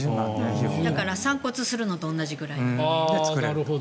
だから散骨するのと同じくらいで作れる。